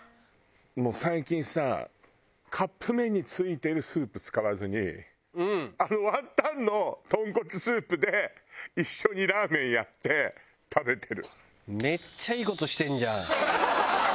もう最近さカップ麺に付いてるスープ使わずにあのワンタンのとんこつスープで一緒にラーメンやって食べてる。